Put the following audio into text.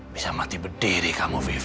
bisa mati berdiri kamu vivo